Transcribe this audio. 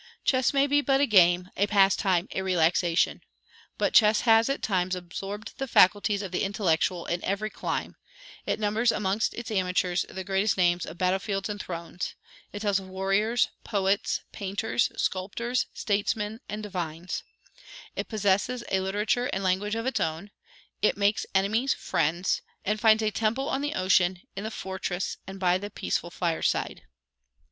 Chess may be but a game, a pastime, a relaxation; but Chess has at times absorbed the faculties of the intellectual in every clime; it numbers amongst its amateurs the greatest names of battle fields and thrones; it tells of warriors, poets, painters, sculptors, statesmen and divines; it possesses a literature and language of its own; it makes enemies friends, and finds a temple on the ocean, in the fortress, and by the peaceful fireside.